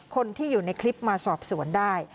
คนที่อยู่ในคลิปมาสอบสวนได้